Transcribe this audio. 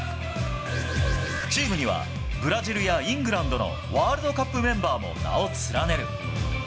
チームには、ブラジルやイングランドのワールドカップメンバーも名を連ねる。